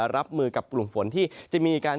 รับมือกับกลุ่มฝนที่จะมีการ